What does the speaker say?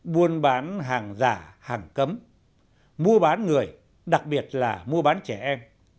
buôn bán hàng giả hàng cấm mua bán người đặc biệt là mua bán trẻ em